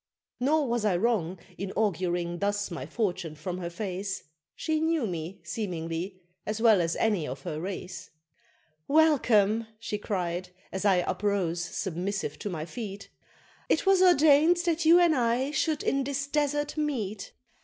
Nor was I wrong in auguring thus my fortune from her face, She knew me, seemingly, as well as any of her race; "Welcome!" she cried, as I uprose submissive to my feet; "It was ordained that you and I should in this desert meet!